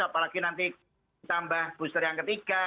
apalagi nanti ditambah booster yang ketiga